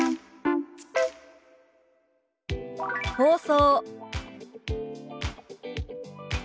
「放送」。